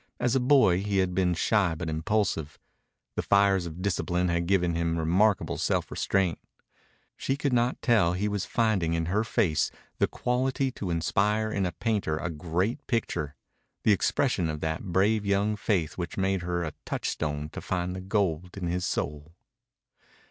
As a boy he had been shy but impulsive. The fires of discipline had given him remarkable self restraint. She could not tell he was finding in her face the quality to inspire in a painter a great picture, the expression of that brave young faith which made her a touchstone to find the gold in his soul.